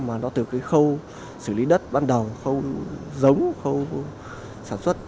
mà nó từ cái khâu xử lý đất ban đầu khâu giống khâu sản xuất